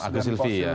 agus silvi ya